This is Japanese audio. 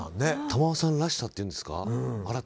珠緒さんらしさっていうんですか。